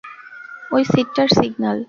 ওই সিটটার সিগনাল।